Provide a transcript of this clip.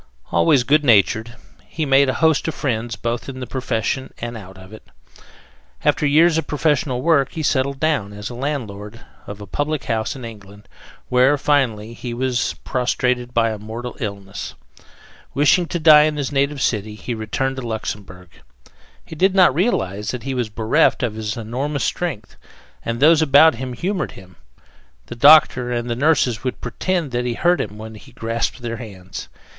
Always good natured, he made a host of friends both in the profession and out of it. After years of professional work he settled down as landlord of a public house in England, where, finally, he was prostrated by a mortal illness. Wishing to die in his native city, he returned to Luxemberg. He did not realize that he was bereft of his enormous strength, and those about him humored him: the doctor and the nurses would pretend that he hurt them when he grasped their hands.